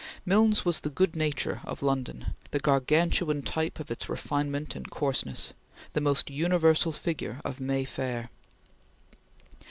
Milnes was the good nature of London; the Gargantuan type of its refinement and coarseness; the most universal figure of May Fair.